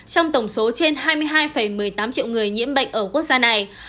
trong tổng số trên hai mươi hai một mươi tám triệu người nhiễm bệnh ở quốc gia này